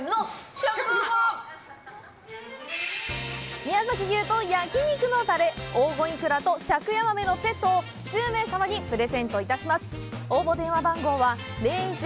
宮崎牛と焼肉のたれ黄金イクラと尺ヤマメのセットを１０名様にプレゼントいたします！